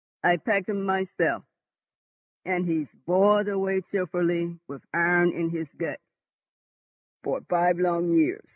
I packed him myself, and he's boiled away cheerfully with iron in his guts for five long years.